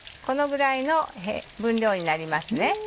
このぐらいの分量になりますね。